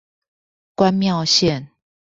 關廟線